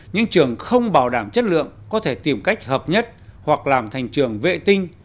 những trường không bảo đảm chất lượng có thể tìm cách hợp nhất hoặc làm thành trường vệ tinh